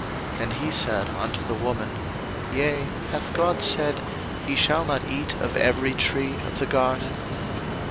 And he said unto the woman, Yea, hath God said, Ye shall not eat of every tree of the garden?